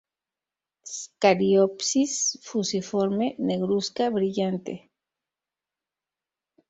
Cariopsis fusiforme, negruzca, brillante.